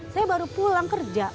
saya baru pulang kerja